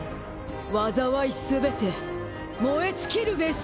災いすべて燃え尽きるべし。